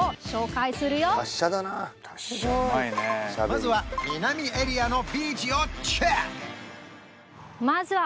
まずは南エリアのビーチをチェック！